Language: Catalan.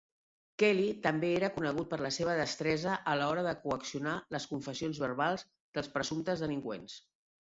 Kelly també era conegut per la seva destresa a l'hora de coaccionar les confessions verbals dels presumptes delinqüents.